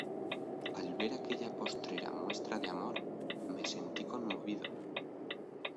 al ver aquella postrera muestra de amor me sentí conmovido.